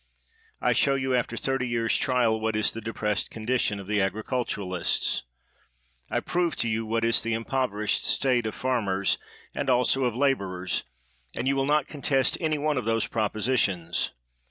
I show you, after thirtj' years' trial, what is the de pressed condition of the agriculturists; I prove to you what is the impoverished state of farm ers, and also of laborers, and you will not con test any one of those propositions.